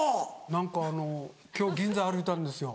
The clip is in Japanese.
何か今日銀座歩いたんですよ。